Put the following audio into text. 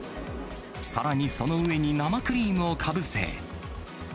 さらに、その上に生クリームをかぶせ。